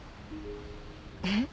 えっ。